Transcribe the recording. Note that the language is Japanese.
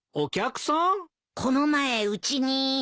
この前うちに。